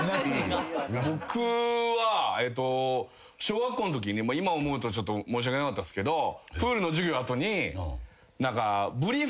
僕は小学校んときに今思うと申し訳なかったっすけどプールの授業の後に。